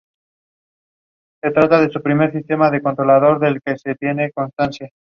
No abre sus cultos con cantos y tambores, pero sí con oraciones a Jesús.